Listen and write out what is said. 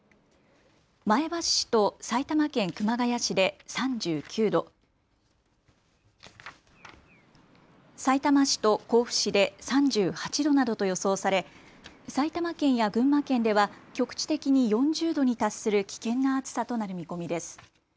前橋市と埼玉県熊谷市で３９度、さいたま市と甲府市で３８度などと予想され埼玉県や群馬県では局地的に４０度に達する危険な暑さとなる見込みです。